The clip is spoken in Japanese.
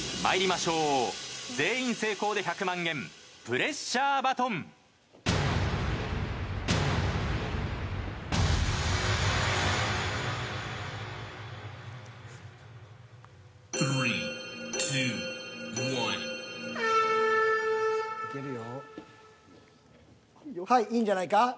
いいんじゃないか？